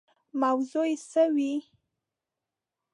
موضوع یې څه وي.